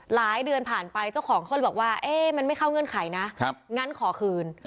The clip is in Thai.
หลายเดือนผ่านไปเจ้าของเขาเลยบอกว่ามันไม่เข้าเงื่อนไขนะงั้นขอคืน